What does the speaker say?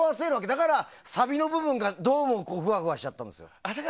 だからサビの部分がどうもふわふわしちゃったの。